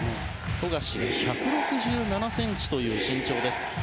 富樫は１６７ｃｍという身長です。